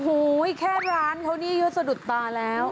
โอ้โหแค่ร้านเขานี่เยอะสะดุดตาแล้ว